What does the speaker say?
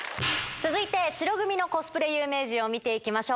続いて白組のコスプレ有名人を見ていきましょう。